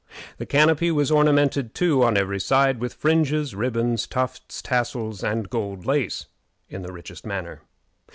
The canopy was ornamented, too, on every side with fringes, ribbons, tufts, tassels, and gold lace, in the richest manner.